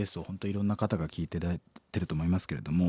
いろんな方が聴いて頂いてると思いますけれども。